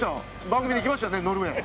番組で行きましたよねノルウェー。